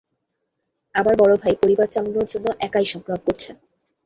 আমার বড় ভাই পরিবার চালানোর জন্য একাই সংগ্রাম করছে।